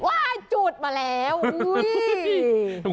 ว้าวจุดมาแล้ว